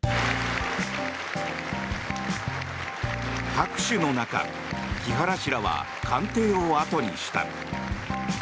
拍手の中、木原氏らは官邸を後にした。